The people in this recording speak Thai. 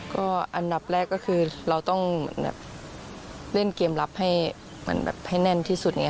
ก็อันดับแรกก็คือเราต้องเล่นเกมลับให้แน่นที่สุด